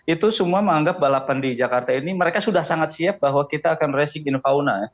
itu semua menganggap balapan di jakarta ini mereka sudah sangat siap bahwa kita akan racing in fauna